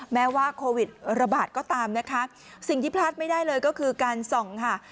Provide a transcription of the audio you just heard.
แม้ว่าโควิดระบาดก็ตามนะคะสิ่งที่พลาดไม่ได้เลยก็คือการส่องค่ะ